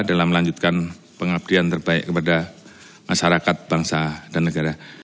dalam melanjutkan pengabdian terbaik kepada masyarakat bangsa dan negara